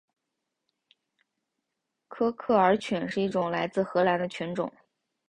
科克尔犬是一种来自荷兰的犬种。